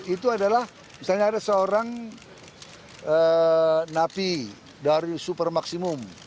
itu adalah misalnya ada seorang napi dari super maksimum